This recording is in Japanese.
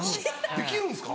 できるんですか？